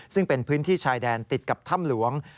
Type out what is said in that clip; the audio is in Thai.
ซึ่งเป็นพื้นที่ชายแดนติดกับถ้ำหลวง